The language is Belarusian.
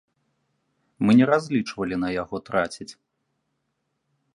Мы не разлічвалі на яго траціць.